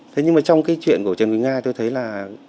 thế nhưng mà trong cái chuyện của trần quỳnh nga tôi thấy là